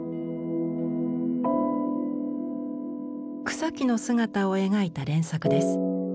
草木の姿を描いた連作です。